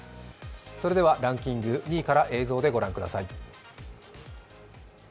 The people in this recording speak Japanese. それではランキング２位から映像でご覧ください。